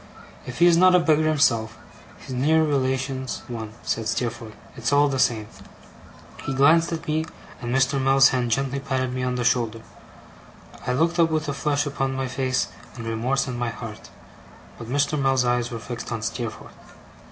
'If he is not a beggar himself, his near relation's one,' said Steerforth. 'It's all the same.' He glanced at me, and Mr. Mell's hand gently patted me upon the shoulder. I looked up with a flush upon my face and remorse in my heart, but Mr. Mell's eyes were fixed on Steerforth.